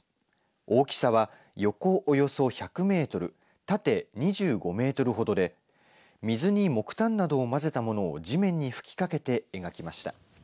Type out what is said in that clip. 大きさは横およそ１００メートル縦２５メートルほどで水に木炭などを混ぜたものを地面に吹きかけて描きました。